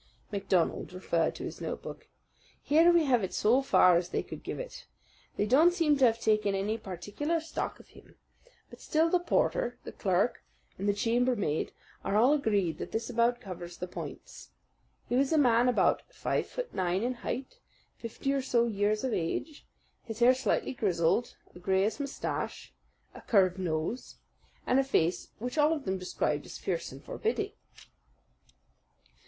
MacDonald referred to his notebook. "Here we have it so far as they could give it. They don't seem to have taken any very particular stock of him; but still the porter, the clerk, and the chambermaid are all agreed that this about covers the points. He was a man about five foot nine in height, fifty or so years of age, his hair slightly grizzled, a grayish moustache, a curved nose, and a face which all of them described as fierce and forbidding."